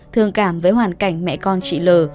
thương cảm với hoàn cảnh mẹ con chị lờ